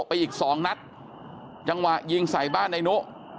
ไปอีกสองนัดจังหวะยิงใส่บ้านในนุ